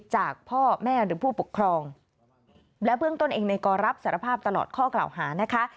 จากพ่อแม่หรือผู้ปกครองและเบื้องต้นเองในกอรับสารภาพตลอดข้อกล่าวหานะคะ